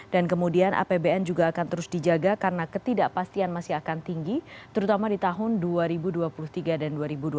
dan kemudian apbn juga akan terus dijaga karena ketidakpastian masih akan tinggi terutama di tahun dua ribu dua puluh tiga dan dua ribu dua puluh empat